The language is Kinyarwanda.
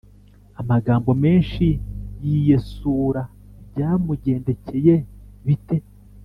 amagambo menshi yiyesura byamugendekeye bite?